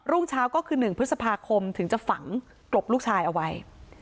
่งเช้าก็คือ๑พฤษภาคมถึงจะฝังกลบลูกชายเอาไว้